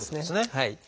はい。